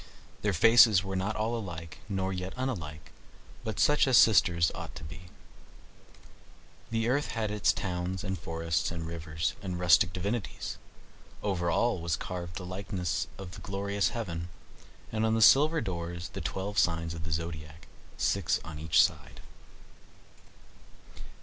Their faces were not all alike, nor yet unlike, but such as sisters' ought to be. [Footnote: See Proverbial Expressions.] The earth had its towns and forests and rivers and rustic divinities. Over all was carved the likeness of the glorious heaven; and on the silver doors the twelve signs of the zodiac, six on each side.